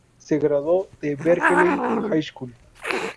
Se graduó de Berkeley High School.